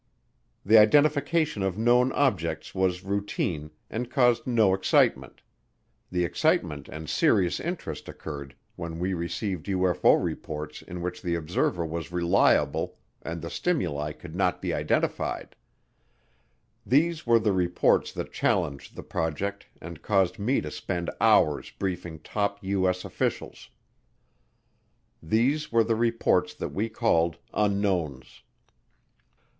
The identification of known objects was routine, and caused no excitement. The excitement and serious interest occurred when we received UFO reports in which the observer was reliable and the stimuli could not be identified. These were the reports that challenged the project and caused me to spend hours briefing top U.S. officials. These were the reports that we called "Unknowns."